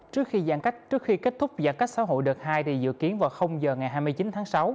trước khi kết thúc giãn cách xã hội đợt hai thì dự kiến vào giờ ngày hai mươi chín tháng sáu